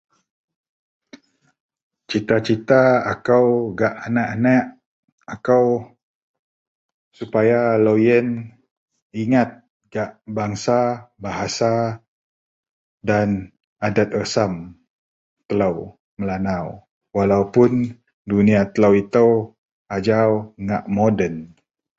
Cita-cita akou gak aneak-aneak akou supaya loyen inget gak bangsa, bahasa, dan adet resam telou Melanau, walaupun duniya telou itou ajau ngak moden